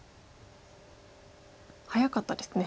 早かったですね。